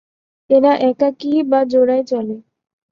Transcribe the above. এরা একাকী বা জোড়ায় চলে।